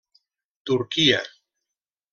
Turquia.